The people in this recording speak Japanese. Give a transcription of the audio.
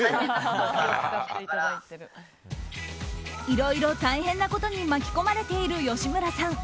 いろいろ大変なことに巻き込まれている吉村さん。